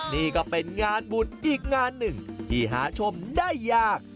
นี่ก็เป็นงานบุญอีกงานหนึ่งที่หาชมได้ยาก